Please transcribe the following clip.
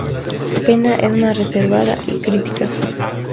Pena es más reservada y crítica.